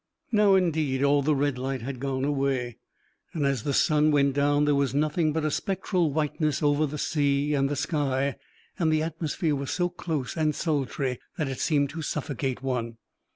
Now indeed all the red light had gone away; and as the sun went down there was nothing but a spectral whiteness over the sea and the sky; and the atmosphere was so close and sultry that it seemed to suffocate one.